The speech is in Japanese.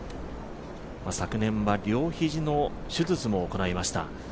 昨年は両肘の手術も行いました。